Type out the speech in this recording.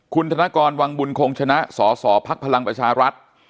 คุณธนกรวังบุญโขงชนะสสภักดิ์พลังประชารัฐ